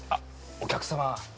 お客様